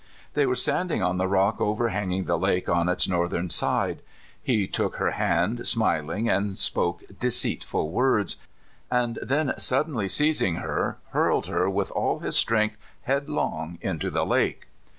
They were standing on the rock overhang ing the lake on its northern side. He took hci hand smiling, and spoke deceitful words, and then suddenly seizing her, hurled her with all his strength headlong into the lake.